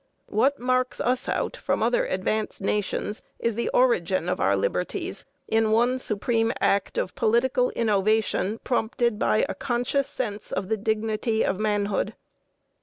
What marks us out from other advanced nations is the origin of our liberties in one supreme act of political innovation, prompted by a conscious sense of the dignity of manhood.